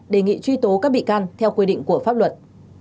đề nghị truy tố các bị can theo quy định của pháp luật